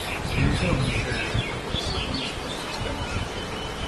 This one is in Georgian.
მუზეუმი შედის კულტურის სამინისტროს სისტემაში.